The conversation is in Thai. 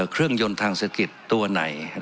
เครื่องยนต์ทางเศรษฐกิจตัวไหน